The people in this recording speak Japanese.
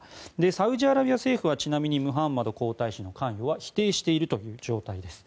サウジアラビア政府は、ちなみにムハンマド皇太子の関与は否定しているという状態です。